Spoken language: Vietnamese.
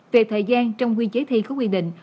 về thời gian trong quy chế thi có quy định